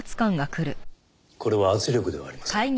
これは圧力ではありません。